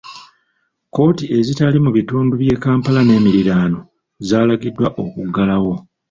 Kkooti ezitali mu bitundu by'e Kampala n'emiriraano zaalagiddwa okuggalawo.